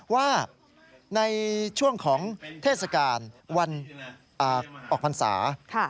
ว่าในช่วงของเทศกาลวันออกพรรษา